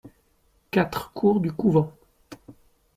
quatre cour du Couvent